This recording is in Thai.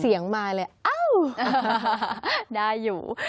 เสียงมาเลยเอ้าได้อยู่